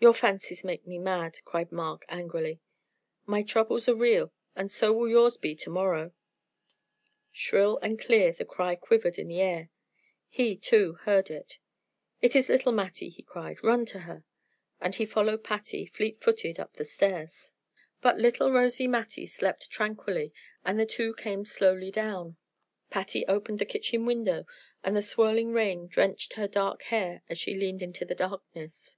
"Your fancies make me mad," cried Mark, angrily. "My troubles are real, and so will yours be to morrow " Shrill and clear the cry quivered on the air. He, too, heard it. "It is little Mattie," he cried. "Run to her." And he followed Patty, fleet footed, up the stairs. But little rosy Mattie slept tranquilly, and the two came slowly down. Patty opened the kitchen window, and the swirling rain drenched her dark hair as she leaned into the darkness.